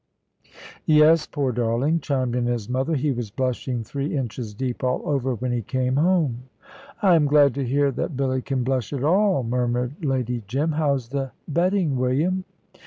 "Yes, poor darling," chimed in his mother; "he was blushing three inches deep all over when he came home." "I am glad to hear that Billy can blush at all," murmured Lady Jim. "How's the betting, William?"